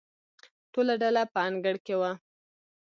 ټوله ډله په انګړ کې وه.